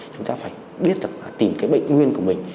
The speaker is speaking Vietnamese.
chúng ta phải biết thật là tìm cái bệnh nguyên của mình